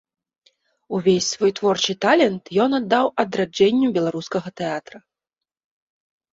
Увесь свой творчы талент ён аддаў адраджэнню беларускага тэатра.